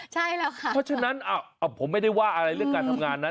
ใช่แล้วค่ะเพราะฉะนั้นผมไม่ได้ว่าอะไรเรื่องการทำงานนะ